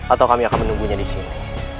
atau kami akan menunggunya di sini